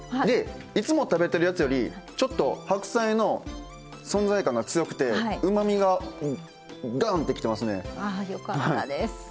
でいつも食べてるやつよりちょっと白菜の存在感が強くてうまみがガンッてきてますね。